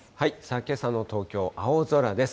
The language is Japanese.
けさの東京、青空です。